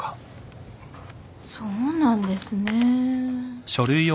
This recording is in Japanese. そうなんですね。